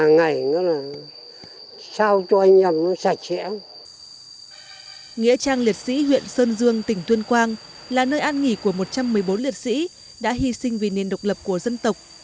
nghĩa trang liệt sĩ huyện sơn dương tỉnh tuyên quang là nơi an nghỉ của một trăm một mươi bốn liệt sĩ đã hy sinh vì nền độc lập của dân tộc